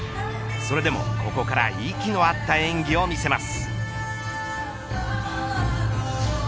それでもここから息の合った演技を見せます。